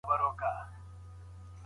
د زمري پر ټول وجود یې کړل وارونه